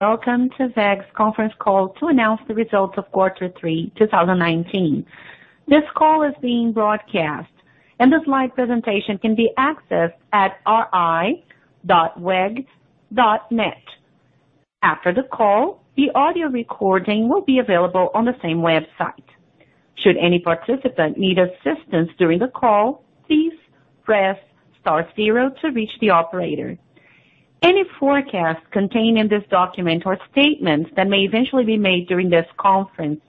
Welcome to WEG's conference call to announce the results of quarter three 2019. This call is being broadcast, and the slide presentation can be accessed at ri.weg.net. After the call, the audio recording will be available on the same website. Should any participant need assistance during the call, please press star zero to reach the operator. Any forecasts contained in this document or statements that may eventually be made during this conference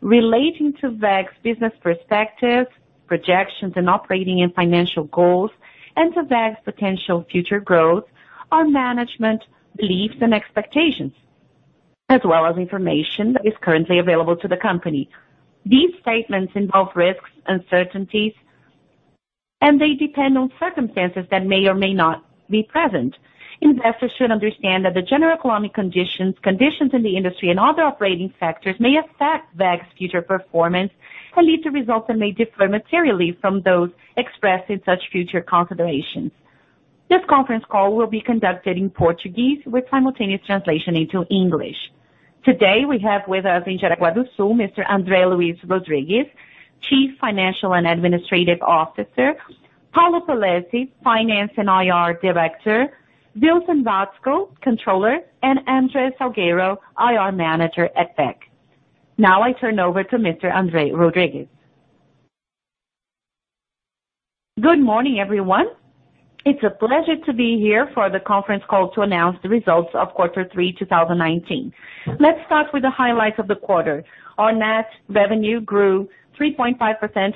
relating to WEG's business perspective, projections, and operating and financial goals, and to WEG's potential future growth are management beliefs and expectations, as well as information that is currently available to the company. These statements involve risks, uncertainties, and they depend on circumstances that may or may not be present. Investors should understand that the general economic conditions in the industry, and other operating factors may affect WEG's future performance and lead to results that may differ materially from those expressed in such future considerations. This conference call will be conducted in Portuguese with simultaneous translation into English. Today, we have with us in Jaraguá do Sul, Mr. André Luís Rodrigues, Chief Financial and Administrative Officer, Paulo Polezi, Finance and IR Director, Dilson Watzko, Controller, and André Salgueiro, IR Manager at WEG. I turn over to Mr. André Rodrigues. Good morning, everyone. It's a pleasure to be here for the conference call to announce the results of quarter 3 2019. Let's start with the highlights of the quarter. Our net revenue grew 3.5%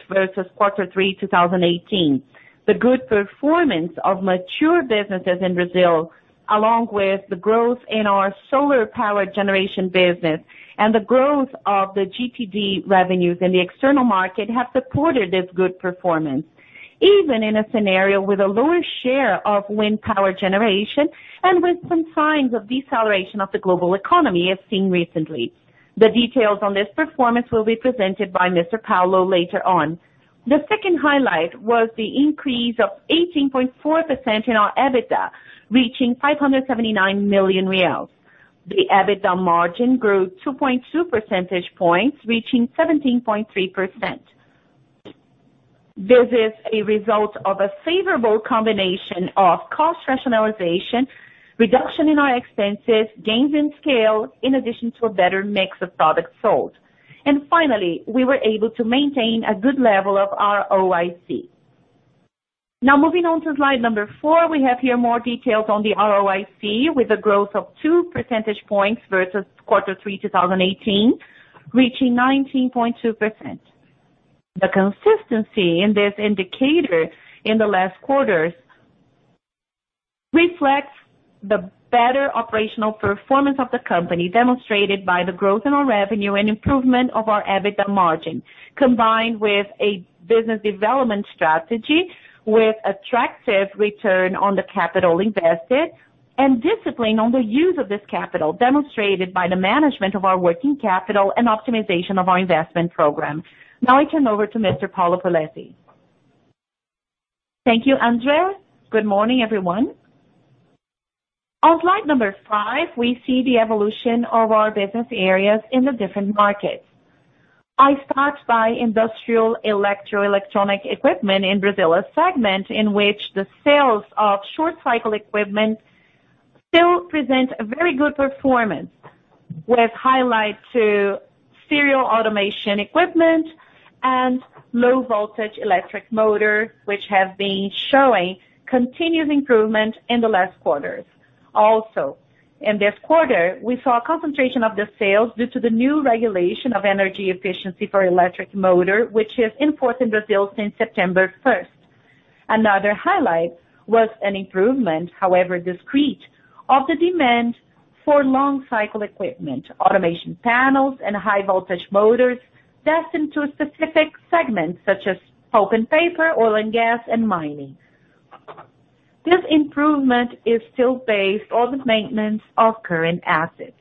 versus quarter 3 2018. The good performance of mature businesses in Brazil, along with the growth in our solar power generation business and the growth of the GTD revenues in the external market, have supported this good performance, even in a scenario with a lower share of wind power generation and with some signs of deceleration of the global economy as seen recently. The details on this performance will be presented by Mr. Paulo later on. The second highlight was the increase of 18.4% in our EBITDA, reaching 579 million real. The EBITDA margin grew 2.2 percentage points, reaching 17.3%. This is a result of a favorable combination of cost rationalization, reduction in our expenses, gains in scale, in addition to a better mix of products sold. Finally, we were able to maintain a good level of ROIC. Now moving on to slide number four, we have here more details on the ROIC with a growth of two percentage points versus quarter three 2018, reaching 19.2%. The consistency in this indicator in the last quarters reflects the better operational performance of the company demonstrated by the growth in our revenue and improvement of our EBITDA margin, combined with a business development strategy with attractive return on the capital invested and discipline on the use of this capital, demonstrated by the management of our working capital and optimization of our investment program. Now I turn over to Mr. Paulo Polezi. Thank you, André. Good morning, everyone. On slide number five, we see the evolution of our business areas in the different markets. I start by industrial electro electronic equipment in Brazil, a segment in which the sales of short-cycle equipment still present a very good performance, with highlights to serial automation equipment and low-voltage electric motor, which have been showing continuous improvement in the last quarters. Also, in this quarter, we saw a concentration of the sales due to the new regulation of energy efficiency for electric motor, which is in force in Brazil since September 1st. Another highlight was an improvement, however discrete, of the demand for long-cycle equipment, automation panels, and high-voltage motors destined to a specific segment such as pulp and paper, oil and gas, and mining. This improvement is still based on the maintenance of current assets.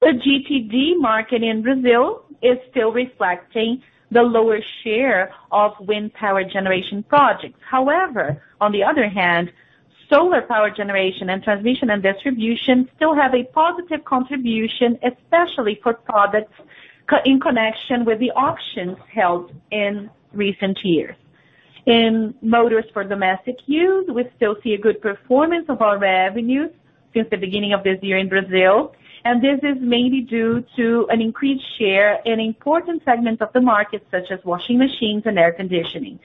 The GTD market in Brazil is still reflecting the lower share of wind power generation projects. However, on the other hand, solar power generation and transmission and distribution still have a positive contribution, especially for products in connection with the auctions held in recent years. In motors for domestic use, we still see a good performance of our revenues since the beginning of this year in Brazil. This is mainly due to an increased share in important segments of the market such as washing machines and air conditioning.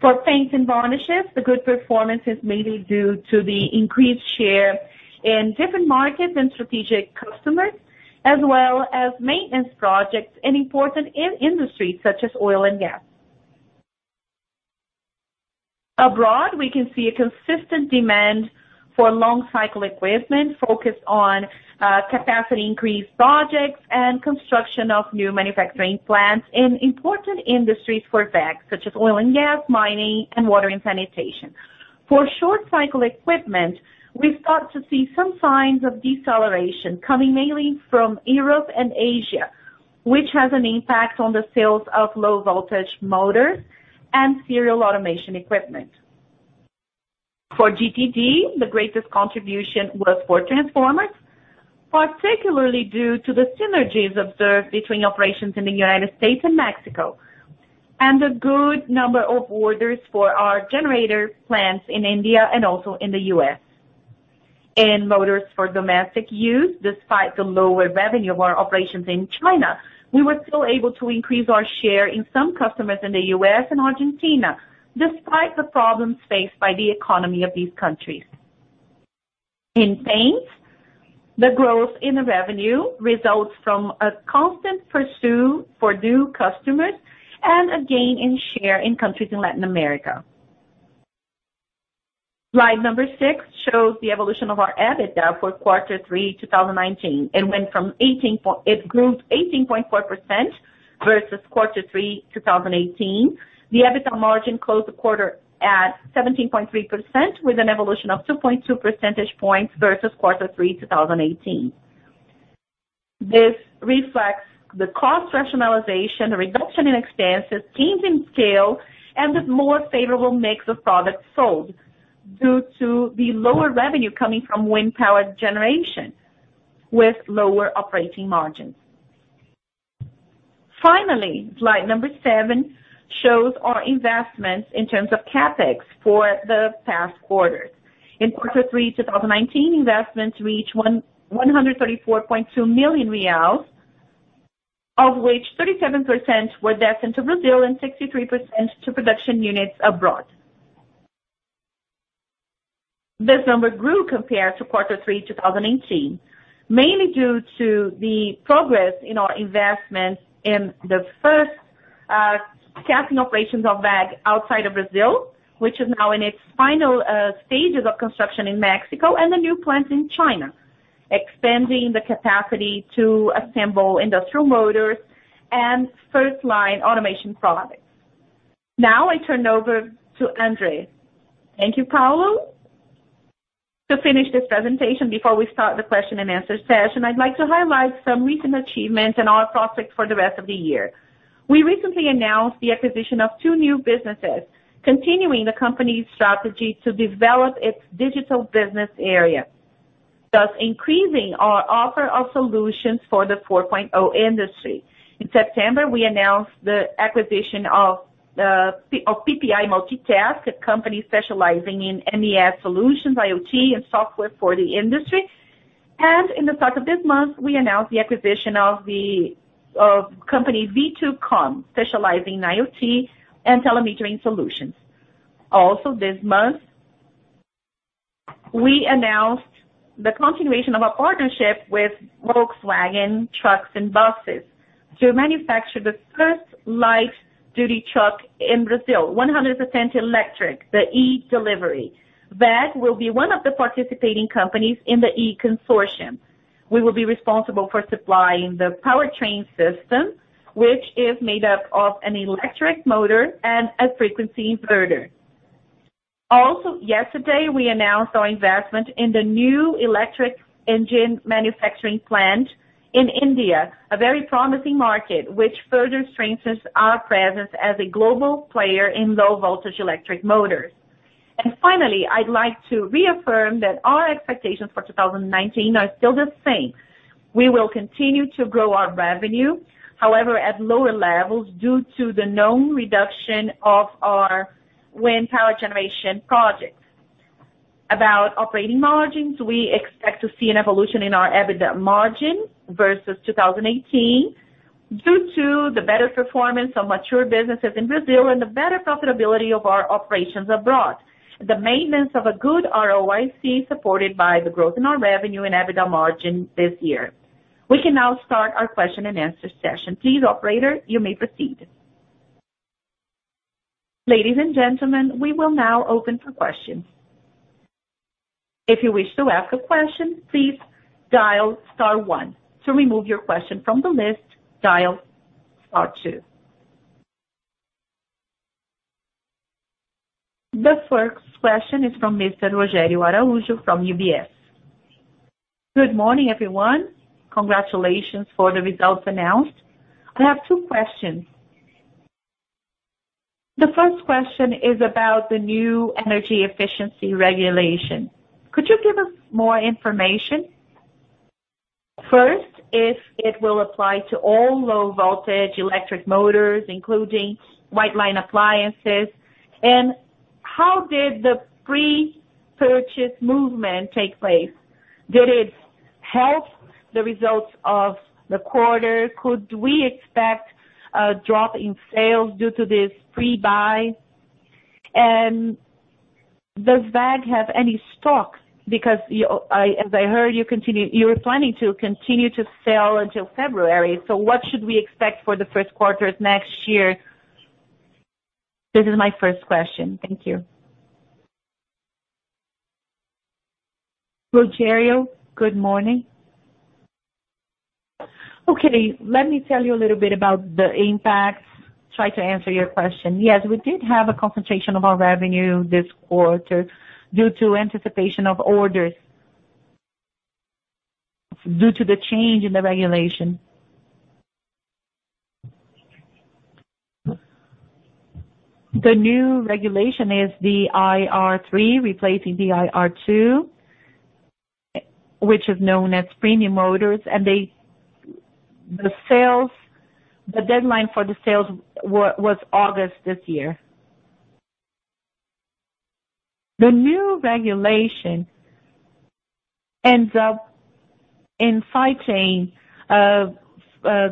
For paints and varnishes, the good performance is mainly due to the increased share in different markets and strategic customers, as well as maintenance projects and important end industries such as oil and gas. Abroad, we can see a consistent demand for long-cycle equipment focused on capacity increase projects and construction of new manufacturing plants in important industries for WEG, such as oil and gas, mining, and water and sanitation. For short-cycle equipment, we start to see some signs of deceleration coming mainly from Europe and Asia, which has an impact on the sales of low-voltage motors and serial automation equipment. For GTD, the greatest contribution was for transformers, particularly due to the synergies observed between operations in the U.S. and Mexico, and a good number of orders for our generator plants in India and also in the U.S. In motors for domestic use, despite the lower revenue of our operations in China, we were still able to increase our share in some customers in the U.S. and Argentina, despite the problems faced by the economy of these countries. In paints, the growth in the revenue results from a constant pursuit for new customers and a gain in share in countries in Latin America. Slide number six shows the evolution of our EBITDA for quarter three 2019. It grew 18.4% versus quarter three 2018. The EBITDA margin closed the quarter at 17.3%, with an evolution of 2.2 percentage points versus quarter three 2018. This reflects the cost rationalization, reduction in expenses, gains in scale, and the more favorable mix of products sold due to the lower revenue coming from wind power generation with lower operating margins. Finally, slide number seven shows our investments in terms of CapEx for the past quarters. In quarter three 2019, investments reached 134.2 million reais, of which 37% were destined to Brazil and 63% to production units abroad. This number grew compared to quarter three 2018, mainly due to the progress in our investments in the first casting operations of WEG outside of Brazil, which is now in its final stages of construction in Mexico, and a new plant in China, expanding the capacity to assemble industrial motors and first-line automation products. Now I turn over to André. Thank you, Paulo. To finish this presentation before we start the question-and-answer session, I'd like to highlight some recent achievements and our prospects for the rest of the year. We recently announced the acquisition of two new businesses, continuing the company's strategy to develop its digital business area, thus increasing our offer of solutions for the 4.0 Industry. In September, we announced the acquisition of PPI-Multitask, a company specializing in MES solutions, IoT, and software for the industry. In the start of this month, we announced the acquisition of company V2COM, specializing in IoT and telemetering solutions. Also this month, we announced the continuation of our partnership with Volkswagen Trucks and Buses to manufacture the first light-duty truck in Brazil, 100% electric, the e-Delivery. WEG will be one of the participating companies in the e-Consortium. We will be responsible for supplying the powertrain system, which is made up of an electric motor and a frequency inverter. Yesterday, we announced our investment in the new electric engine manufacturing plant in India, a very promising market, which further strengthens our presence as a global player in low-voltage electric motors. Finally, I'd like to reaffirm that our expectations for 2019 are still the same. We will continue to grow our revenue, however, at lower levels, due to the known reduction of our wind power generation projects. About operating margins, we expect to see an evolution in our EBITDA margin versus 2018 due to the better performance of mature businesses in Brazil and the better profitability of our operations abroad. The maintenance of a good ROIC, supported by the growth in our revenue and EBITDA margin this year. We can now start our question-and-answer session. Please, operator, you may proceed. Ladies and gentlemen, we will now open for questions. If you wish to ask a question, please dial star one. To remove your question from the list, dial star two. The first question is from Mr. Rogério Araújo from UBS. Good morning, everyone. Congratulations for the results announced. I have two questions. The first question is about the new energy efficiency regulation. Could you give us more information? First, if it will apply to all low-voltage electric motors, including white line appliances, and how did the pre-purchase movement take place? Did it help the results of the quarter? Could we expect a drop in sales due to this pre-buy? Does WEG have any stock? Because as I heard, you were planning to continue to sell until February. What should we expect for the first quarters next year? This is my first question. Thank you. Rogério, good morning. Okay, let me tell you a little bit about the impact, try to answer your question. Yes, we did have a concentration of our revenue this quarter due to anticipation of orders due to the change in the regulation. The new regulation is the IE3 replacing the IE2, which is known as premium motors. The deadline for the sales was August this year. The new regulation ends up inciting a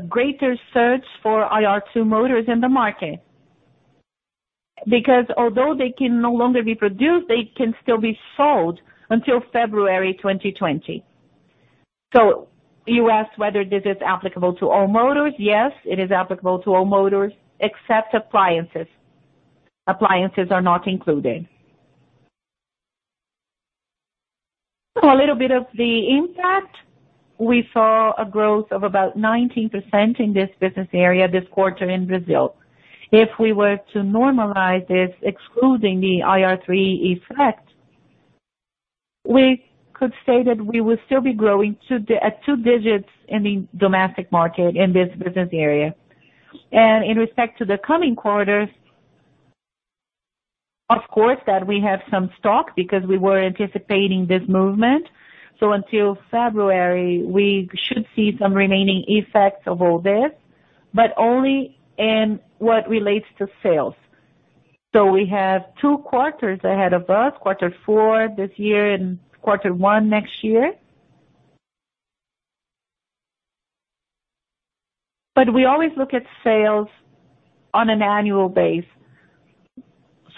greater search for IE2 motors in the market. Because although they can no longer be produced, they can still be sold until February 2020. You asked whether this is applicable to all motors. Yes, it is applicable to all motors except appliances. Appliances are not included. A little bit of the impact. We saw a growth of about 19% in this business area this quarter in Brazil. If we were to normalize this, excluding the IE3 effect, we could say that we would still be growing at 2 digits in the domestic market in this business area. In respect to the coming quarters, of course, that we have some stock because we were anticipating this movement. Until February, we should see some remaining effects of all this, but only in what relates to sales. We have 2 quarters ahead of us, quarter four this year and quarter one next year. We always look at sales on an annual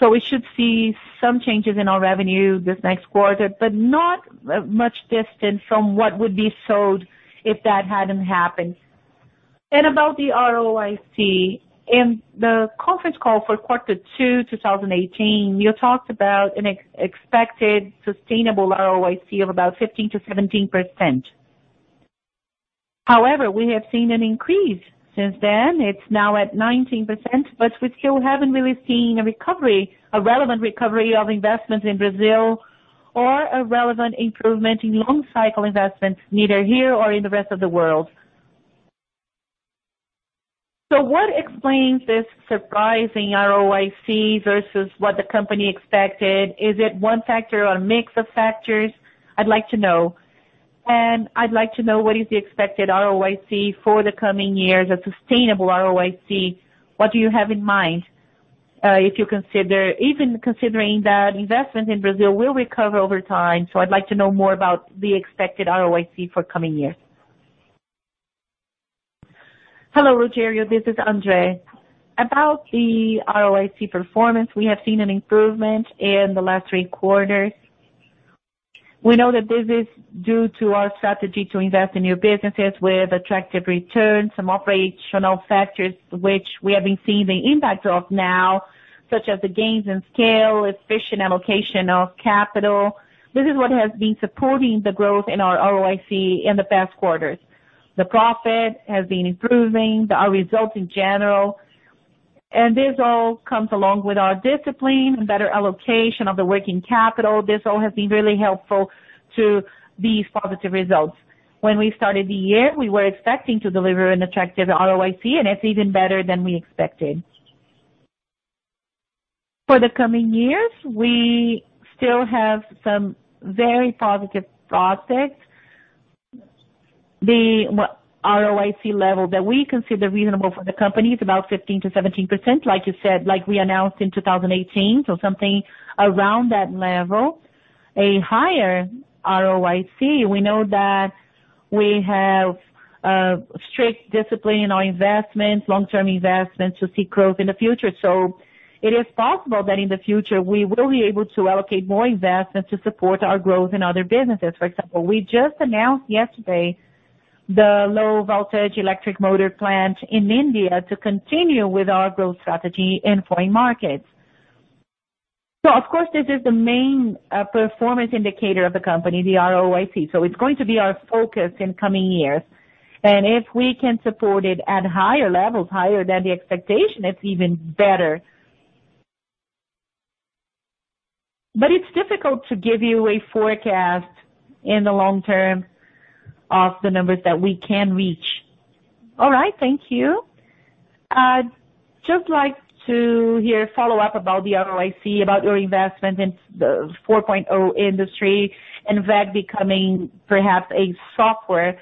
basis. We should see some changes in our revenue this next quarter, but not much distant from what would be sold if that hadn't happened. About the ROIC. In the conference call for quarter two 2018, you talked about an expected sustainable ROIC of about 15%-17%. However, we have seen an increase since then. It's now at 19%, but we still haven't really seen a relevant recovery of investment in Brazil or a relevant improvement in long-cycle investments, neither here or in the rest of the world. What explains this surprising ROIC versus what the company expected? Is it one factor or a mix of factors? I'd like to know. I'd like to know what is the expected ROIC for the coming years, a sustainable ROIC. What do you have in mind even considering that investment in Brazil will recover over time? I'd like to know more about the expected ROIC for coming years. Hello, Rogério, this is André. About the ROIC performance, we have seen an improvement in the last three quarters. We know that this is due to our strategy to invest in new businesses with attractive returns, some operational factors which we have been seeing the impact of now, such as the gains in scale, efficient allocation of capital. This is what has been supporting the growth in our ROIC in the past quarters. The profit has been improving, our results in general, and this all comes along with our discipline and better allocation of the working capital. This all has been really helpful to these positive results. When we started the year, we were expecting to deliver an attractive ROIC, and it's even better than we expected. For the coming years, we still have some very positive prospects. The ROIC level that we consider reasonable for the company is about 15%-17%, like you said, like we announced in 2018, so something around that level. A higher ROIC, we know that we have a strict discipline in our investments, long-term investments to see growth in the future. It is possible that in the future we will be able to allocate more investments to support our growth in other businesses. For example, we just announced yesterday the low voltage electric motor plant in India to continue with our growth strategy in foreign markets. Of course, this is the main performance indicator of the company, the ROIC. It's going to be our focus in coming years. If we can support it at higher levels, higher than the expectation, it's even better. It's difficult to give you a forecast in the long term of the numbers that we can reach. All right. Thank you. I'd just like to hear follow-up about the ROIC, about your investment in the 4.0 Industry, and WEG becoming perhaps a software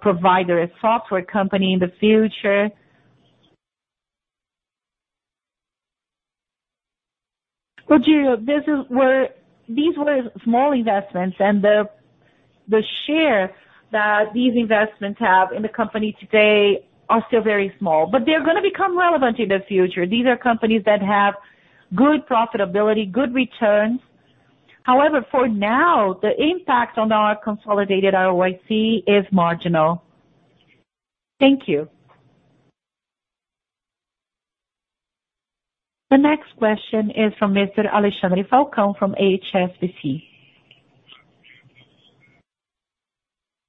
provider, a software company in the future. Rogério, these were small investments, and the share that these investments have in the company today are still very small, but they're going to become relevant in the future. These are companies that have good profitability, good returns. For now, the impact on our consolidated ROIC is marginal. Thank you. The next question is from Mr. Alexandre Falcao from HSBC.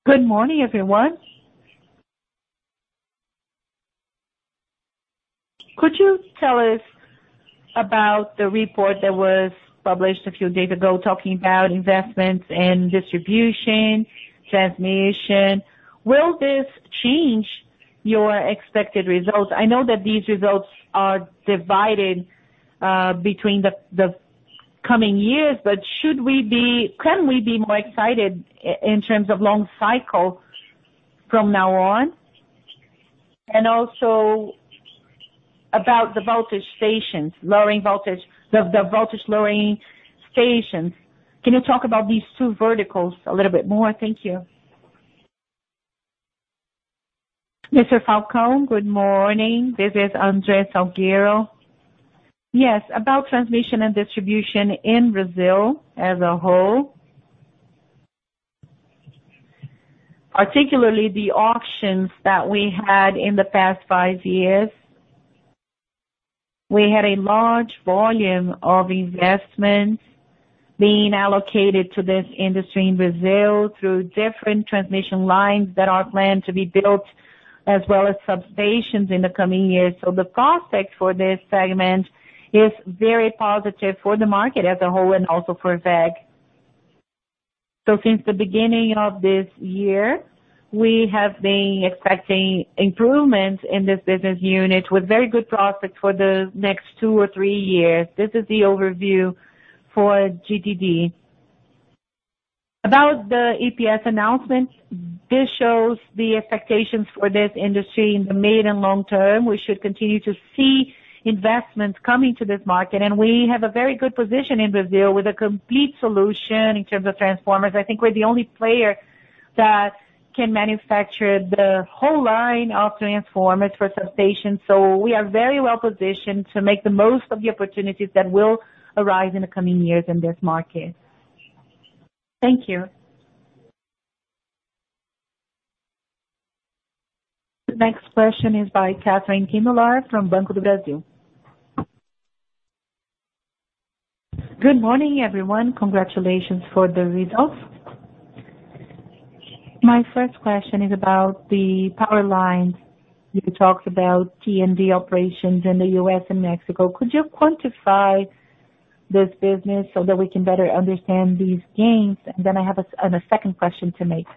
Good morning, everyone. Could you tell us about the report that was published a few days ago talking about investments and Distribution, Transmission. Will this change your expected results? I know that these results are divided between the coming years, can we be more excited in terms of long cycle from now on? Also about the voltage stations, the voltage lowering stations. Can you talk about these two verticals a little bit more? Thank you. Mr. Falcão, good morning. This is André Salgueiro. Yes, about transmission and distribution in Brazil as a whole, particularly the auctions that we had in the past five years. We had a large volume of investments being allocated to this industry in Brazil through different transmission lines that are planned to be built, as well as substations in the coming years. The prospect for this segment is very positive for the market as a whole and also for WEG. Since the beginning of this year, we have been expecting improvements in this business unit with very good prospects for the next two or three years. This is the overview for GTD. About the EPS announcement, this shows the expectations for this industry in the mid and long term. We should continue to see investments coming to this market. We have a very good position in Brazil with a complete solution in terms of transformers. I think we're the only player that can manufacture the whole line of transformers for substations. We are very well positioned to make the most of the opportunities that will arise in the coming years in this market. Thank you. The next question is by Catherine Kimolar from Banco do Brasil. Good morning, everyone. Congratulations for the results. My first question is about the power lines. You talked about T&D operations in the U.S. and Mexico. Could you quantify this business so that we can better understand these gains? Then I have a second question to make.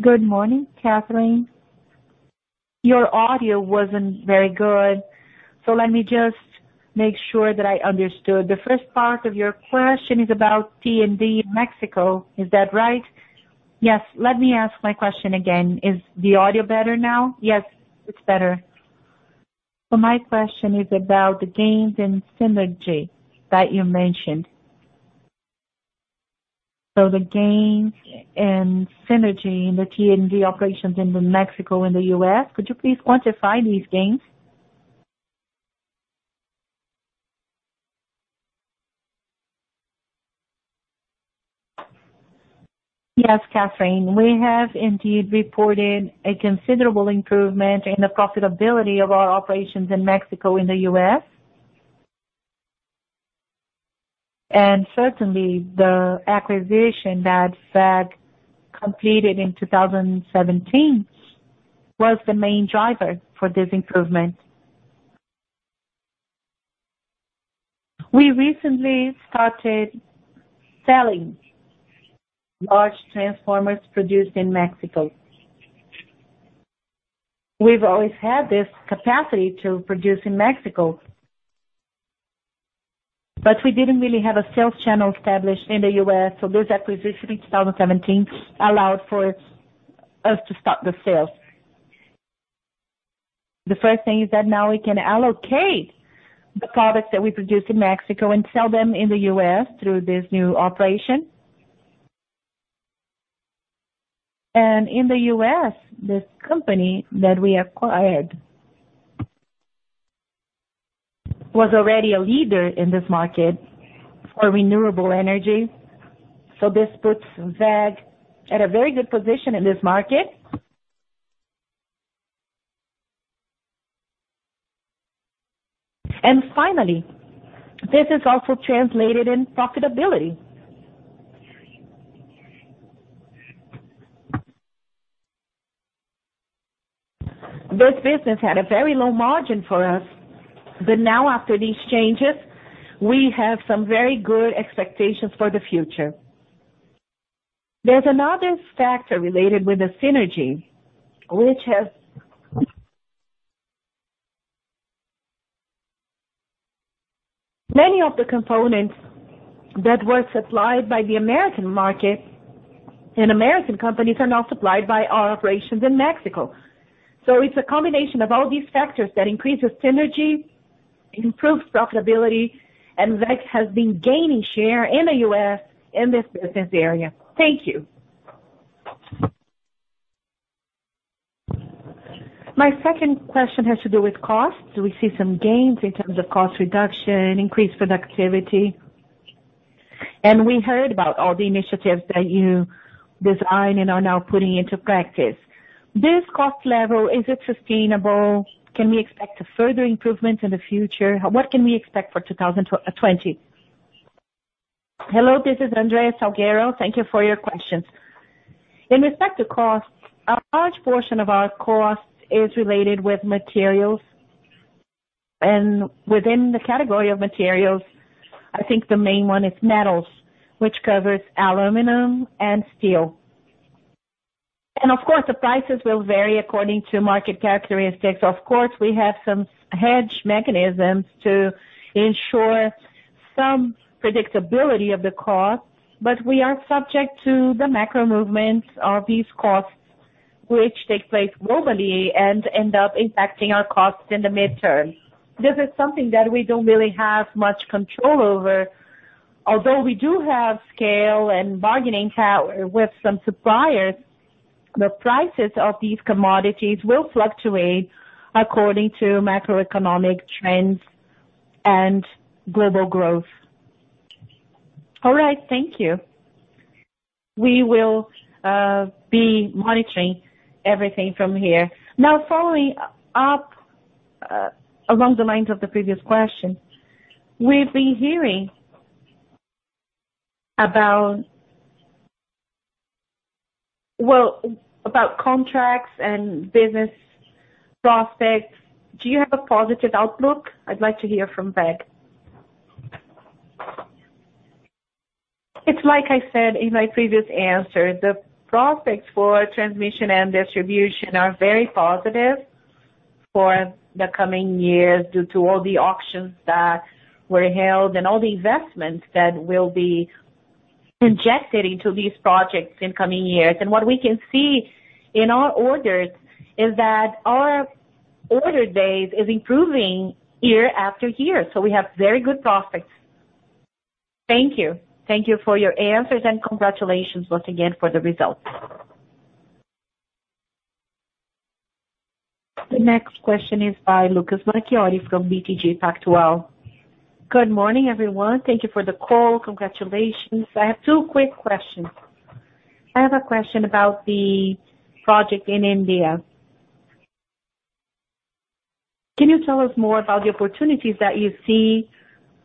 Good morning, Catherine. Your audio wasn't very good, so let me just make sure that I understood. The first part of your question is about T&D in Mexico. Is that right? Yes. Let me ask my question again. Is the audio better now? Yes, it's better. My question is about the gains and synergy that you mentioned. The gains and synergy in the T&D operations in Mexico and the U.S. Could you please quantify these gains? Yes, Catherine. We have indeed reported a considerable improvement in the profitability of our operations in Mexico and the U.S. Certainly, the acquisition that WEG completed in 2017 was the main driver for this improvement. We recently started selling large transformers produced in Mexico. We've always had this capacity to produce in Mexico, but we didn't really have a sales channel established in the U.S., so this acquisition in 2017 allowed for us to start the sales. The first thing is that now we can allocate the products that we produce in Mexico and sell them in the U.S. through this new operation. In the U.S., this company that we acquired was already a leader in this market for renewable energy. This puts WEG at a very good position in this market. Finally, this is also translated in profitability. This business had a very low margin for us, but now after these changes, we have some very good expectations for the future. There's another factor related with the synergy, which has many of the components that were supplied by the U.S. market, and U.S. companies are now supplied by our operations in Mexico. It's a combination of all these factors that increases synergy, improves profitability, and WEG has been gaining share in the U.S. in this business area. Thank you. My second question has to do with costs. Do we see some gains in terms of cost reduction, increased productivity? We heard about all the initiatives that you designed and are now putting into practice. This cost level, is it sustainable? Can we expect a further improvement in the future? What can we expect for 2020? Hello, this is André Salgueiro. Thank you for your questions. In respect to costs, a large portion of our cost is related with materials. Within the category of materials, I think the main one is metals, which covers aluminum and steel. Of course, the prices will vary according to market characteristics. Of course, we have some hedge mechanisms to ensure some predictability of the cost, but we are subject to the macro movements of these costs, which take place globally and end up impacting our costs in the midterm. This is something that we don't really have much control over, although we do have scale and bargaining power with some suppliers. The prices of these commodities will fluctuate according to macroeconomic trends and global growth. All right. Thank you. We will be monitoring everything from here. Following up along the lines of the previous question, we've been hearing about contracts and business prospects. Do you have a positive outlook? I'd like to hear from WEG. It's like I said in my previous answer, the prospects for transmission and distribution are very positive for the coming years due to all the auctions that were held and all the investments that will be injected into these projects in coming years. What we can see in our orders is that our order days is improving year after year. We have very good prospects. Thank you. T hank you for your answers, and congratulations once again for the results. The next question is by Lucas Marquiori from BTG Pactual. Good morning, everyone. Thank you for the call. Congratulations. I have two quick questions. I have a question about the project in India. Can you tell us more about the opportunities that you see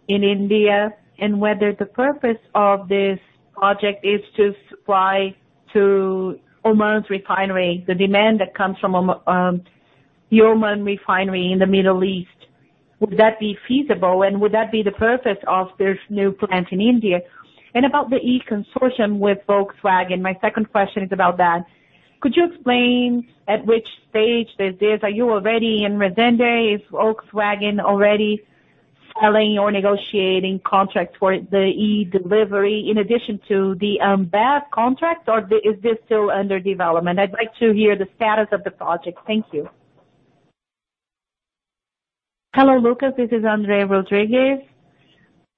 in India, and whether the purpose of this project is to supply to Oman's refinery, the demand that comes from the Oman refinery in the Middle East. Would that be feasible, and would that be the purpose of this new plant in India? About the e-Consortium with Volkswagen, my second question is about that. Could you explain at which stage this is? Are you already in Resende? Is Volkswagen already selling or negotiating contracts for the e-Delivery in addition to the bad contract, or is this still under development? I'd like to hear the status of the project. Thank you. Hello, Lucas. This is André Luís Rodrigues.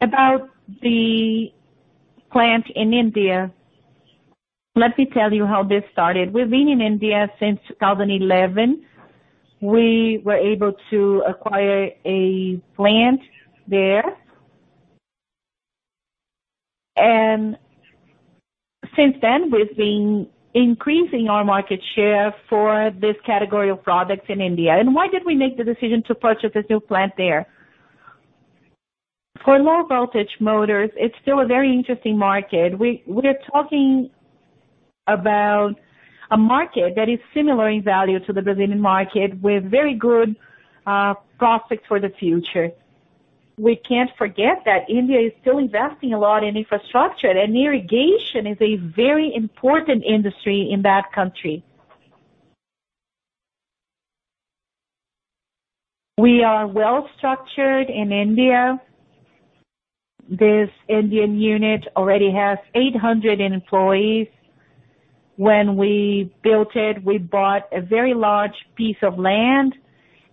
About the plant in India, let me tell you how this started. We've been in India since 2011. We were able to acquire a plant there. Since then, we've been increasing our market share for this category of products in India. Why did we make the decision to purchase this new plant there? For low-voltage motors, it's still a very interesting market. We are talking about a market that is similar in value to the Brazilian market with very good prospects for the future. We can't forget that India is still investing a lot in infrastructure, and irrigation is a very important industry in that country. We are well-structured in India. This Indian unit already has 800 employees. When we built it, we bought a very large piece of land,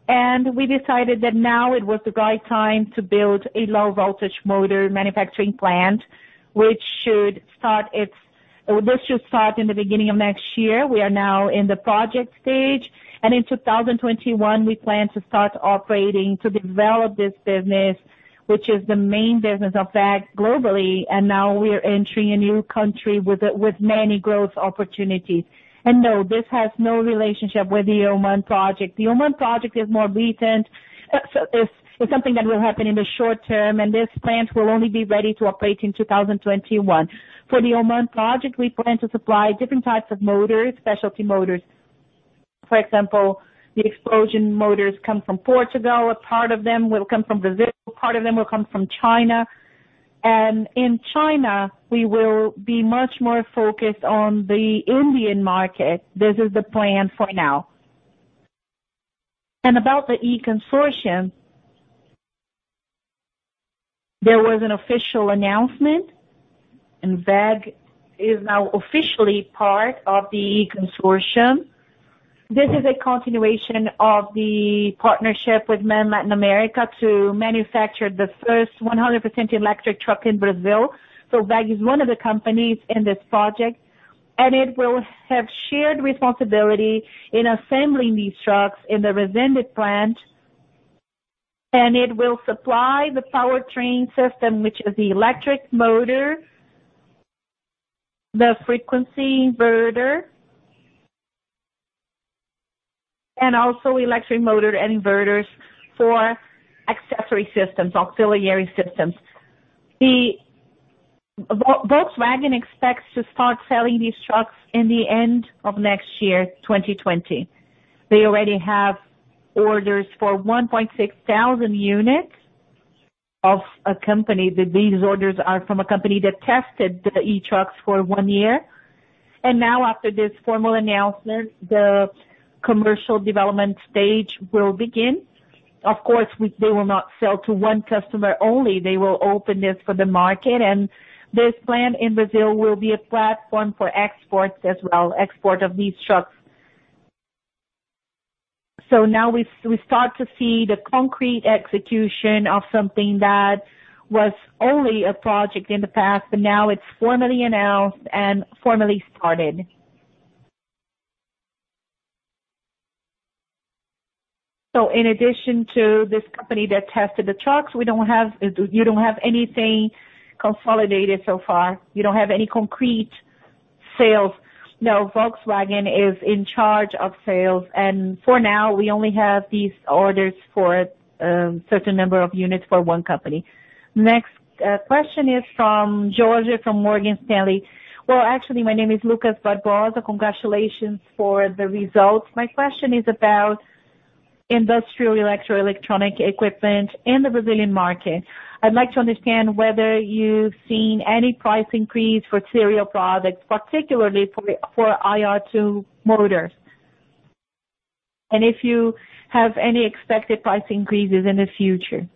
and we decided that now it was the right time to build a low-voltage motor manufacturing plant, which should start in the beginning of next year. We are now in the project stage. In 2021, we plan to start operating to develop this business, which is the main business of WEG globally. Now we're entering a new country with many growth opportunities. No, this has no relationship with the Oman project. The Oman project is more recent. It's something that will happen in the short term, and this plant will only be ready to operate in 2021. For the Oman project, we plan to supply different types of motors, specialty motors. For example, the explosion motors come from Portugal. A part of them will come from Brazil, part of them will come from China. In China, we will be much more focused on the Indian market. This is the plan for now. About the e-Consortium, there was an official announcement, and WEG is now officially part of the e-Consortium. This is a continuation of the partnership with MAN Latin America to manufacture the first 100% electric truck in Brazil. WEG is one of the companies in this project, and it will have shared responsibility in assembling these trucks in the Resende plant. It will supply the powertrain system, which is the electric motor, the frequency inverter, and also electric motor inverters for accessory systems, auxiliary systems. Volkswagen expects to start selling these trucks in the end of next year, 2020. They already have orders for 1.6 thousand units. These orders are from a company that tested the e-Delivery trucks for one year. Now after this formal announcement, the commercial development stage will begin. Of course, they will not sell to one customer only. They will open this for the market, and this plant in Brazil will be a platform for exports as well, export of these trucks. Now we start to see the concrete execution of something that was only a project in the past, but now it's formally announced and formally started. In addition to this company that tested the trucks, you don't have anything consolidated so far. You don't have any concrete sales. No, Volkswagen is in charge of sales. For now, we only have these orders for a certain number of units for one company. Next question is from George from Morgan Stanley. Well, actually, my name is Lucas Barbosa. Congratulations for the results. My question is about industrial electro electronic equipment in the Brazilian market. I'd like to understand whether you've seen any price increase for serial products, particularly for IE2 motors, and if you have any expected price increases in the future.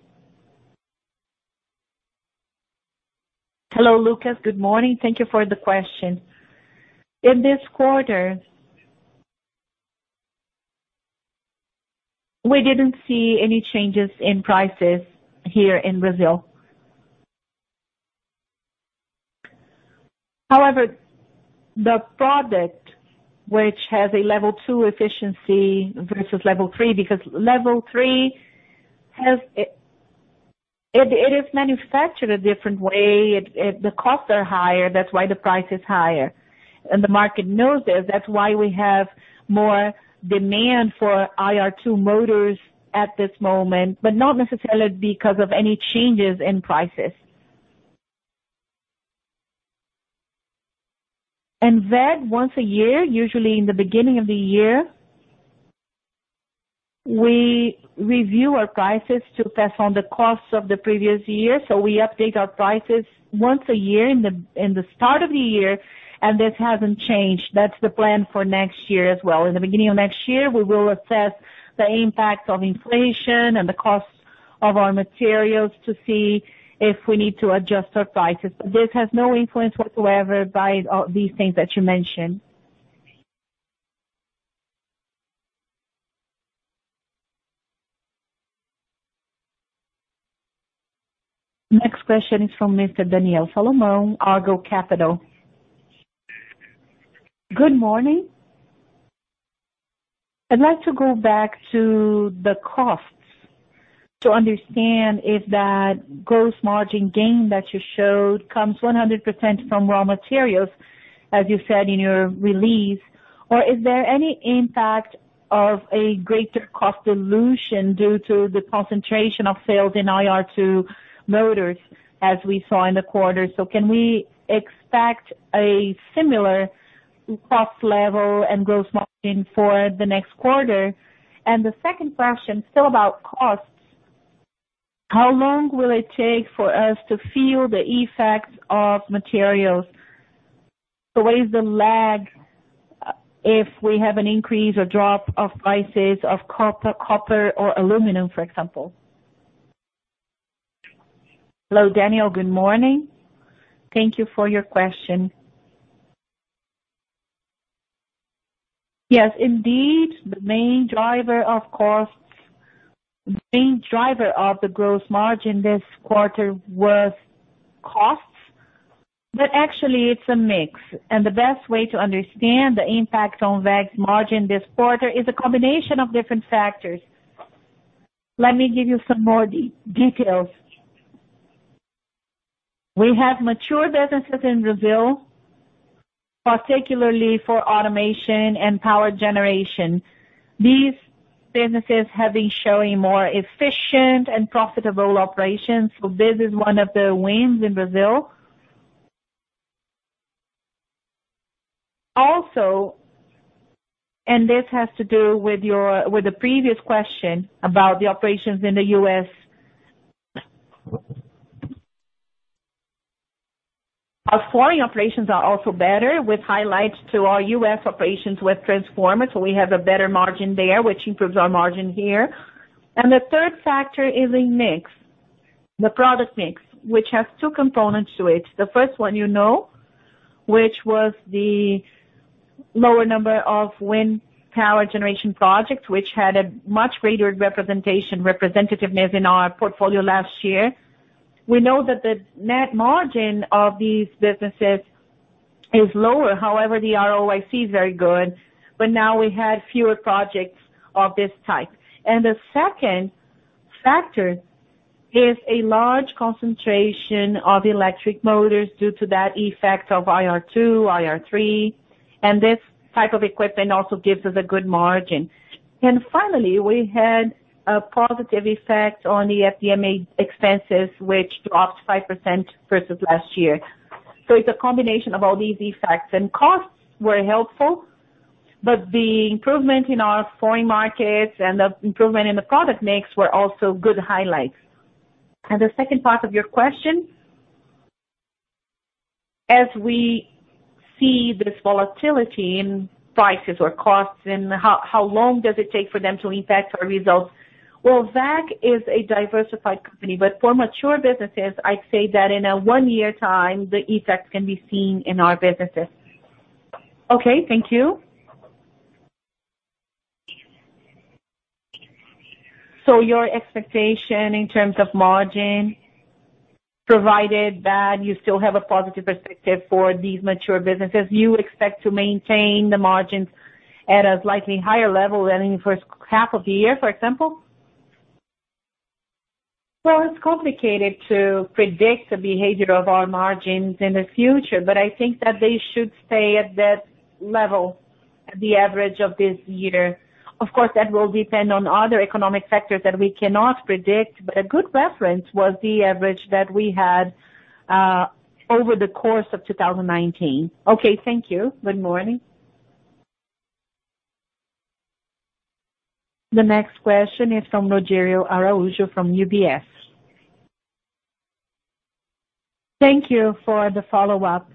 Hello, Lucas. Good morning. Thank you for the question. In this quarter, we didn't see any changes in prices here in Brazil. The product which has a level 2 efficiency versus level 3, because level 3, it is manufactured a different way. The costs are higher, that's why the price is higher. The market knows this. That's why we have more demand for IE2 motors at this moment, but not necessarily because of any changes in prices. In WEG, once a year, usually in the beginning of the year, we review our prices to pass on the costs of the previous year. We update our prices once a year in the start of the year, and this hasn't changed. That's the plan for next year as well. In the beginning of next year, we will assess the impact of inflation and the cost of our materials to see if we need to adjust our prices. This has no influence whatsoever by these things that you mentioned. Next question is from Mr. Daniel Solomon, Argo Capital. Good morning. I'd like to go back to the costs to understand if that gross margin gain that you showed comes 100% from raw materials, as you said in your release, or is there any impact of a greater cost dilution due to the concentration of sales in IE2 motors, as we saw in the quarter. Can we expect a similar cost level and gross margin for the next quarter? The second question, still about costs, how long will it take for us to feel the effects of materials? What is the lag if we have an increase or drop of prices of copper or aluminum, for example? Hello, Daniel. Good morning. Thank you for your question. Yes, indeed, the main driver of the gross margin this quarter was costs, but actually it's a mix. The best way to understand the impact on WEG's margin this quarter is a combination of different factors. Let me give you some more details. We have mature businesses in Brazil, particularly for automation and power generation. These businesses have been showing more efficient and profitable operations. This is one of the wins in Brazil. Also, this has to do with the previous question about the operations in the U.S. Our foreign operations are also better with highlights to our U.S. operations with transformers. We have a better margin there, which improves our margin here. The third factor is the product mix, which has two components to it. The first one you know, which was the lower number of wind power generation projects, which had a much greater representativeness in our portfolio last year. We know that the net margin of these businesses is lower. The ROIC is very good. Now we had fewer projects of this type. The second factor is a large concentration of electric motors due to that effect of IE2, IE3, and this type of equipment also gives us a good margin. Finally, we had a positive effect on the SG&A expenses, which dropped 5% versus last year. It's a combination of all these effects. Costs were helpful, but the improvement in our foreign markets and the improvement in the product mix were also good highlights. The second part of your question? As we see this volatility in prices or costs, and how long does it take for them to impact our results? Well, WEG is a diversified company, but for mature businesses, I'd say that in a one year, the effect can be seen in our businesses. Okay. Thank you. Your expectation in terms of margin, provided that you still have a positive perspective for these mature businesses, you expect to maintain the margins at a slightly higher level than in the first half of the year, for example? Well, it's complicated to predict the behavior of our margins in the future, but I think that they should stay at that level, at the average of this year. Of course, that will depend on other economic factors that we cannot predict, but a good reference was the average that we had over the course of 2019. Okay. Thank you. Good morning. The next question is from Rogério Araújo from UBS. Thank you for the follow-up.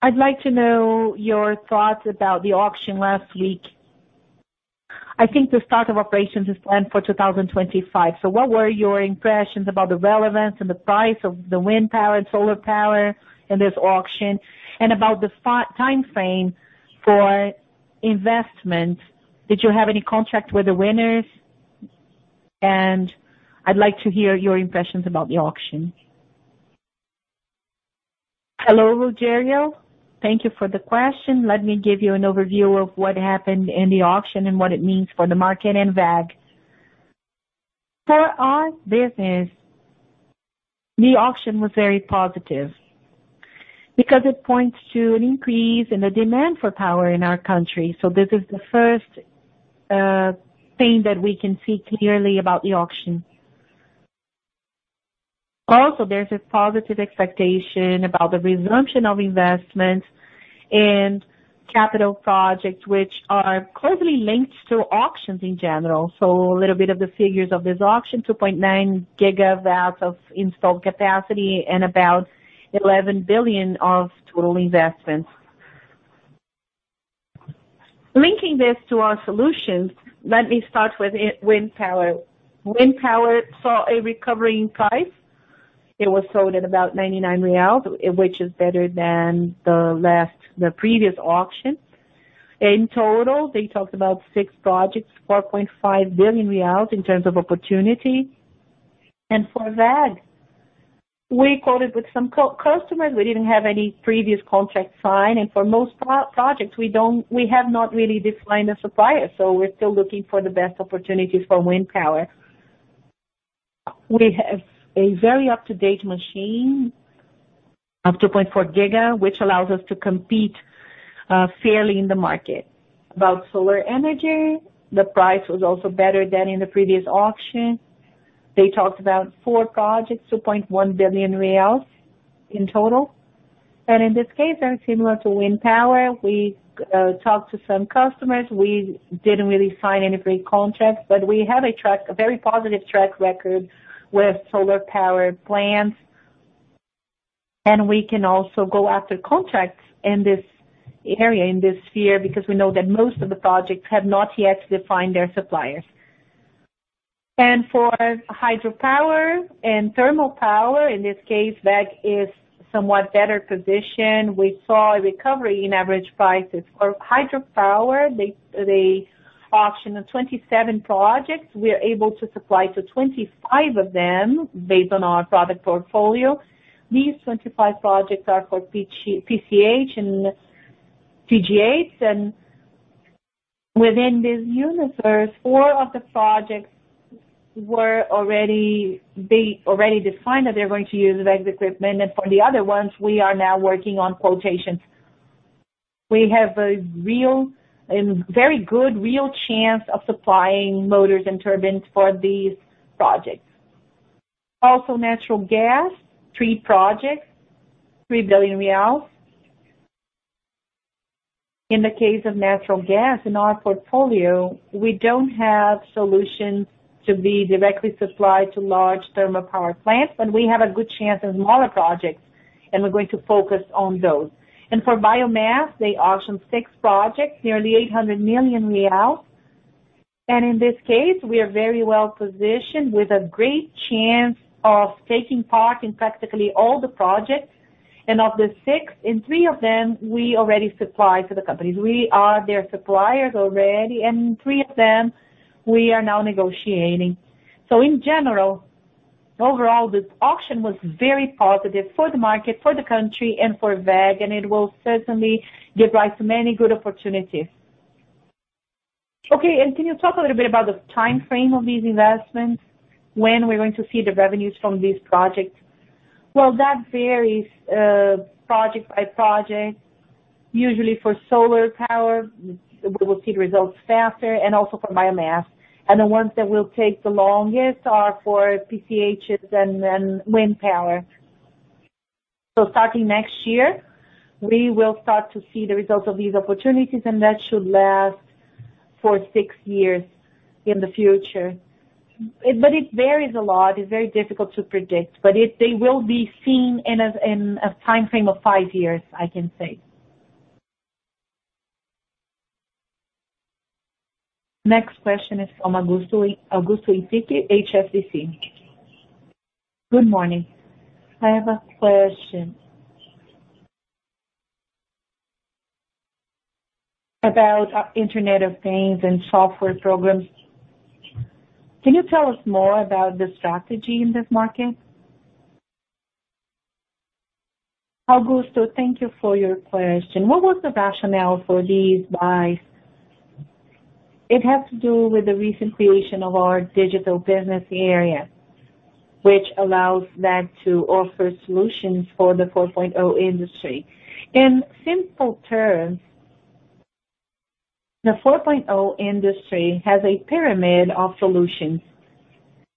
I'd like to know your thoughts about the auction last week. I think the start of operations is planned for 2025. What were your impressions about the relevance and the price of the wind power and solar power in this auction, and about the time frame for investment. Did you have any contract with the winners? I'd like to hear your impressions about the auction. Hello, Rogério. Thank you for the question. Let me give you an overview of what happened in the auction and what it means for the market and WEG. For our business, the auction was very positive because it points to an increase in the demand for power in our country. This is the first thing that we can see clearly about the auction. There's a positive expectation about the resumption of investment and capital projects, which are closely linked to auctions in general. A little bit of the figures of this auction, 2.9 gigawatts of installed capacity and about 11 billion of total investments. Linking this to our solutions, let me start with wind power. Wind power saw a recovery in price. It was sold at about 99 reais, which is better than the previous auction. In total, they talked about six projects, 4.5 billion reais in terms of opportunity. For WEG, we quoted with some customers, we didn't have any previous contract signed, and for most projects, we have not really defined the supplier, we're still looking for the best opportunity for wind power. We have a very up-to-date machine of 2.4 MW, which allows us to compete fairly in the market. About solar energy, the price was also better than in the previous auction. They talked about four projects, 2.1 billion reais in total. In this case, and similar to wind power, we talked to some customers. We didn't really sign any pre-contracts, but we have a very positive track record with solar power plants, and we can also go after contracts in this area, in this sphere, because we know that most of the projects have not yet defined their suppliers. For hydropower and thermal power, in this case, WEG is somewhat better positioned. We saw a recovery in average prices. For hydropower, they auctioned 27 projects. We are able to supply to 25 of them based on our product portfolio. These 25 projects are for PCH and CGH. Within this universe, four of the projects they already defined that they're going to use WEG's equipment. For the other ones, we are now working on quotations. We have a very good, real chance of supplying motors and turbines for these projects. Natural gas, three projects, 3 billion reais. In the case of natural gas in our portfolio, we don't have solutions to be directly supplied to large thermal power plants, but we have a good chance in smaller projects. We're going to focus on those. For biomass, they auctioned six projects, nearly 800 million real. In this case, we are very well-positioned with a great chance of taking part in practically all the projects. Of the six, in three of them, we already supply to the companies. We are their suppliers already, three of them we are now negotiating. Overall, this auction was very positive for the market, for the country, and for WEG, it will certainly give rise to many good opportunities. Okay. Can you talk a little bit about the timeframe of these investments? When are we going to see the revenues from these projects? Well, that varies project by project. Usually for solar power, we will see the results faster, also for biomass. The ones that will take the longest are for PCHs and then wind power. Starting next year, we will start to see the results of these opportunities, that should last for six years in the future. It varies a lot. It's very difficult to predict. They will be seen in a timeframe of five years, I can say. Next question is from Augusto Ensiki, HSBC. Good morning. I have a question about Internet of Things and software programs. Can you tell us more about the strategy in this market? Augusto, thank you for your question. What was the rationale for these buys? It has to do with the recent creation of our digital business area, which allows us to offer solutions for Industry 4.0. In simple terms, Industry 4.0 has a pyramid of solutions,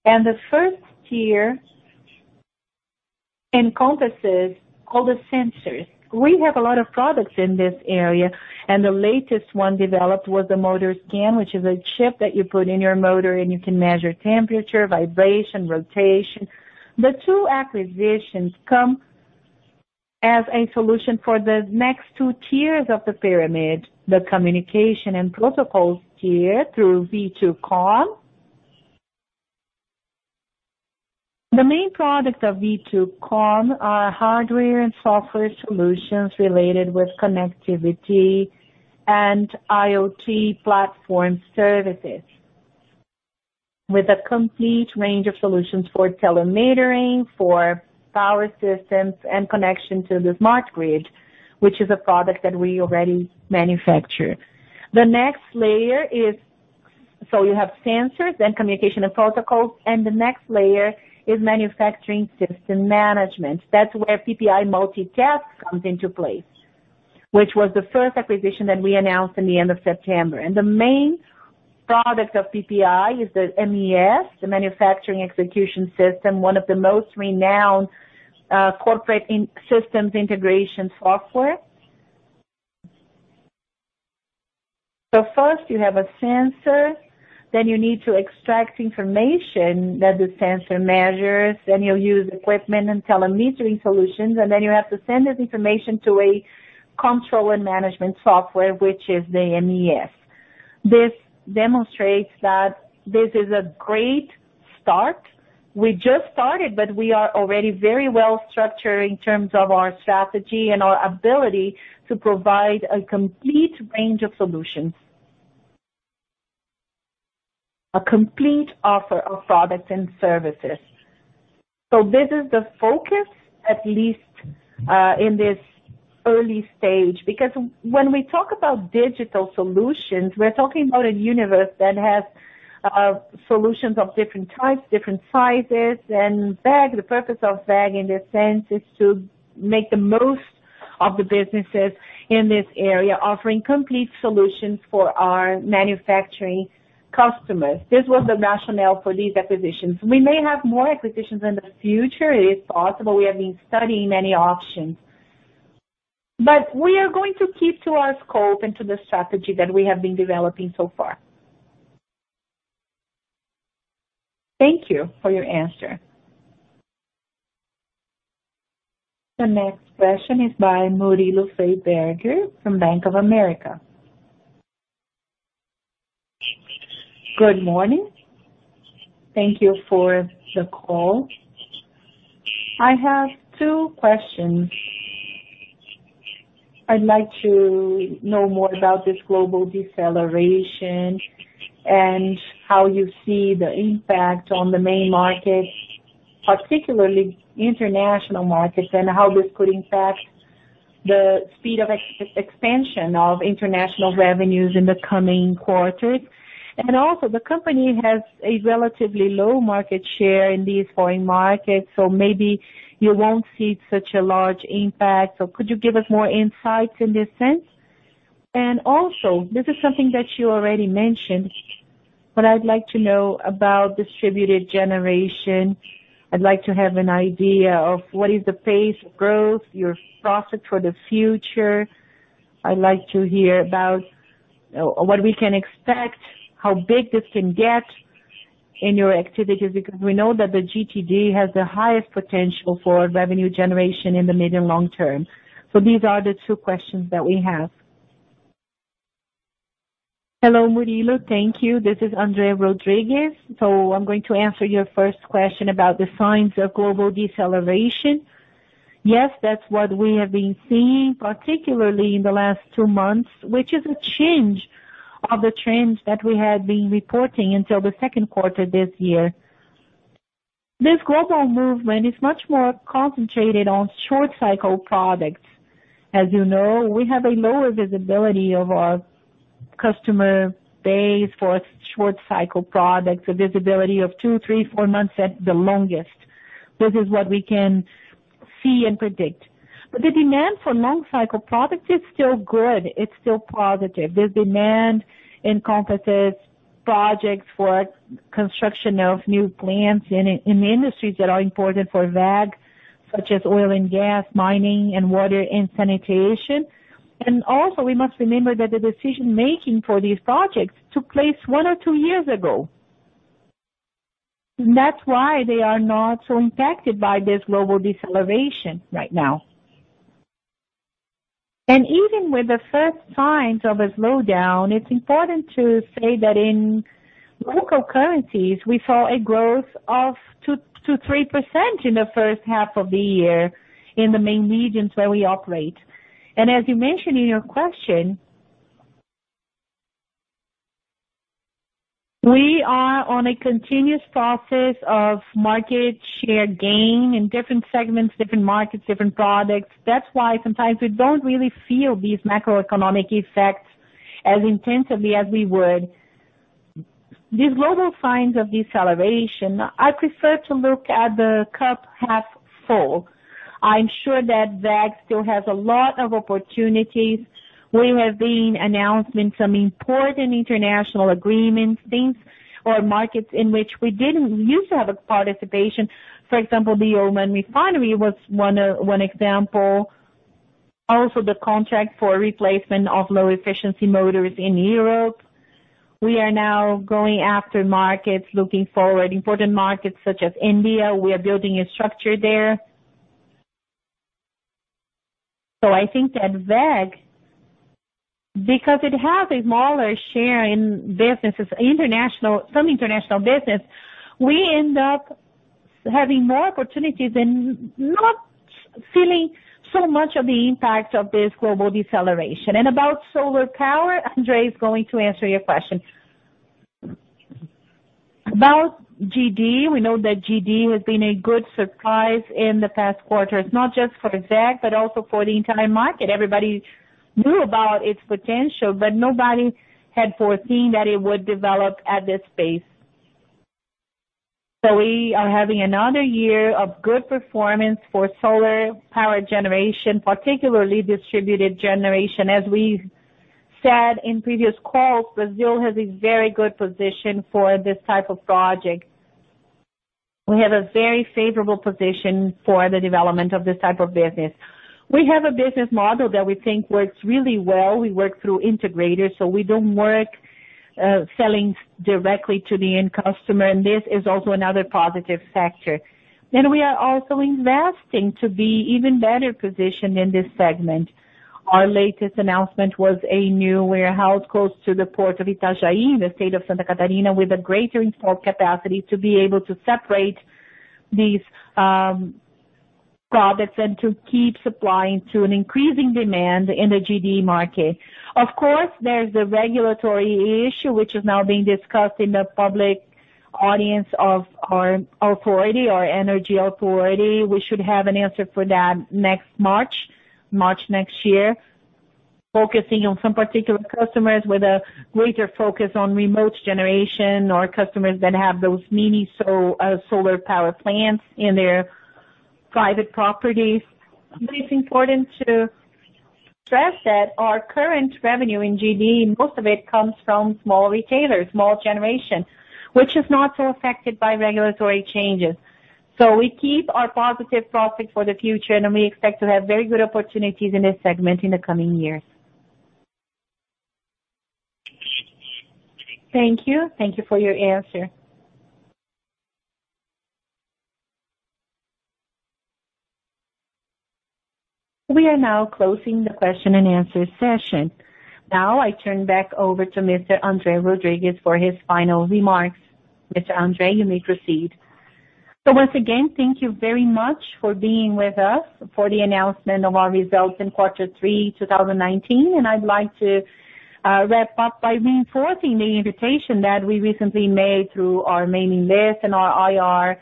and the first tier encompasses all the sensors. We have a lot of products in this area, and the latest one developed was the WEG Motor Scan, which is a chip that you put in your motor, and you can measure temperature, vibration, rotation. The two acquisitions come as a solution for the next 2 tiers of the pyramid, the communication and protocols tier through V2COM. The main products of V2COM are hardware and software solutions related with connectivity and IoT platform services, with a complete range of solutions for telemetering, for power systems, and connection to the smart grid, which is a product that we already manufacture. The next layer you have sensors, then communication and protocols, and the next layer is manufacturing system management. That's where PPI-Multitask comes into place, which was the first acquisition that we announced in the end of September. The main product of PPI is the MES, the Manufacturing Execution System, one of the most renowned corporate systems integration software. First you have a sensor, then you need to extract information that the sensor measures, then you'll use equipment and telemetering solutions, and then you have to send this information to a controller management software, which is the MES. This demonstrates that this is a great start. We just started, we are already very well structured in terms of our strategy and our ability to provide a complete range of solutions. A complete offer of products and services. This is the focus, at least, in this early stage. When we talk about digital solutions, we're talking about a universe that has solutions of different types, different sizes. WEG, the purpose of WEG in this sense is to make the most of the businesses in this area, offering complete solutions for our manufacturing customers. This was the rationale for these acquisitions. We may have more acquisitions in the future. It is possible. We have been studying many options. We are going to keep to our scope and to the strategy that we have been developing so far. Thank you for your answer. The next question is by Murilo Freiberger from Bank of America. Good morning. Thank you for the call. I have two questions. I'd like to know more about this global deceleration and how you see the impact on the main markets, particularly international markets, and how this could impact the speed of expansion of international revenues in the coming quarters. The company has a relatively low market share in these foreign markets, so maybe you won't see such a large impact. Could you give us more insights in this sense? This is something that you already mentioned, but I'd like to know about distributed generation. I'd like to have an idea of what is the pace of growth, your profit for the future. I'd like to hear about what we can expect, how big this can get in your activities, because we know that the GTD has the highest potential for revenue generation in the mid and long term. These are the two questions that we have. Hello, Murilo. Thank you. This is André Rodrigues. I'm going to answer your first question about the signs of global deceleration. Yes, that's what we have been seeing, particularly in the last two months, which is a change of the trends that we had been reporting until the second quarter of this year. This global movement is much more concentrated on short-cycle products. As you know, we have a lower visibility of our customer base for short-cycle products, a visibility of two, three, four months at the longest. This is what we can see and predict. The demand for long-cycle products is still good. It's still positive. This demand encompasses projects for construction of new plants in the industries that are important for WEG, such as oil and gas, mining, and water and sanitation. We must remember that the decision-making for these projects took place one or two years ago. That's why they are not so impacted by this global deceleration right now. Even with the first signs of a slowdown, it's important to say that in local currencies, we saw a growth of 2%-3% in the first half of the year in the main regions where we operate. As you mentioned in your question, we are on a continuous process of market share gain in different segments, different markets, different products. That's why sometimes we don't really feel these macroeconomic effects as intensively as we would. These global signs of deceleration, I prefer to look at the cup half full. I'm sure that WEG still has a lot of opportunities. We have been announcing some important international agreements, things or markets in which we didn't used to have a participation. For example, the Oman refinery was one example. Also, the contract for replacement of low-efficiency motors in Europe. We are now going after markets, looking forward, important markets such as India. We are building a structure there. I think that WEG, because it has a smaller share in some international business, we end up having more opportunities and not feeling so much of the impact of this global deceleration. About solar power, André is going to answer your question. About GD, we know that GD has been a good surprise in the past quarters, not just for WEG but also for the entire market. Everybody knew about its potential, but nobody had foreseen that it would develop at this pace. We are having another year of good performance for solar power generation, particularly distributed generation. As we said in previous calls, Brazil has a very good position for this type of project. We have a very favorable position for the development of this type of business. We have a business model that we think works really well. We work through integrators, we don't work selling directly to the end customer, this is also another positive factor. We are also investing to be even better positioned in this segment. Our latest announcement was a new warehouse close to the Port of Itajaí, in the state of Santa Catarina, with a greater import capacity to be able to separate these products and to keep supplying to an increasing demand in the GD market. Of course, there's the regulatory issue, which is now being discussed in the public audience of our authority, our energy authority. We should have an answer for that next March next year, focusing on some particular customers with a greater focus on remote generation or customers that have those mini solar power plants in their private properties. It's important to stress that our current revenue in GD, most of it comes from small retailers, small generation, which is not so affected by regulatory changes. We keep our positive profit for the future, and we expect to have very good opportunities in this segment in the coming years. Thank you. Thank you for your answer. We are now closing the question-and-answer session.I turn back over to Mr. André Rodrigues for his final remarks. Mr. André, you may proceed. Once again, thank you very much for being with us for the announcement of our results in quarter three 2019. I'd like to wrap up by reinforcing the invitation that we recently made through our mailing list and our IR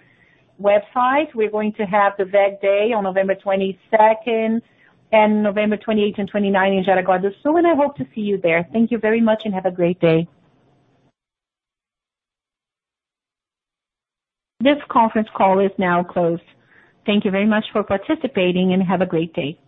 website. We're going to have the WEG Day on November 22nd, and November 28th and 29th in Jaraguá do Sul, and I hope to see you there. Thank you very much and have a great day. This conference call is now closed. Thank you very much for participating, and have a great day.